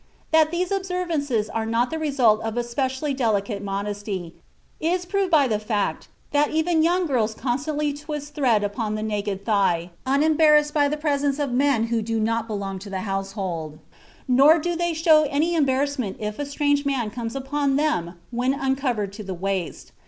That these observances are not the result of a specially delicate modesty, is proved by the fact that even young girls constantly twist thread upon the naked thigh, unembarrassed by the presence of men who do not belong to the household; nor do they show any embarrassment if a strange man comes upon them when uncovered to the waist.